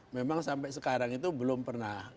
memang sampai sekarang itu belum pernah